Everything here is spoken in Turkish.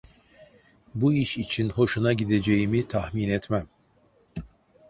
Bu iş için hoşuna gideceğimi tahmin etmem!